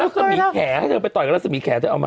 ลักษณีย์แขนให้เธอไปต่อยกับลักษณีย์แขนเจ้าเอามา